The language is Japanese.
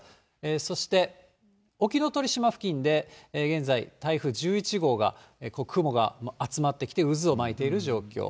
そして沖ノ鳥島付近で現在、台風１１号が雲が集まってきて、渦を巻いている状況。